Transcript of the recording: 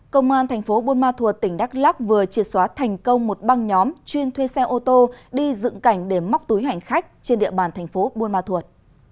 công an thành phố buôn ma thuột tỉnh đắk lắc vừa triệt xóa thành công một băng nhóm chuyên thuê xe ô tô đi dựng cảnh để móc túi hành khách trên địa bàn thành phố buôn ma thuột